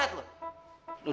loh dia orang itu